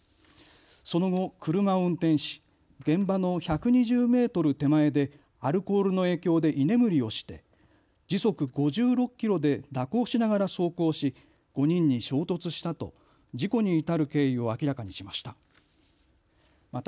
その後、車を運転し現場の１２０メートル手前でアルコールの影響で居眠りをして時速５６キロで蛇行しながら走行し５人に衝突したと事故に至る経緯を明らかにしました。